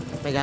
tis mata aku